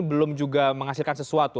belum juga menghasilkan sesuatu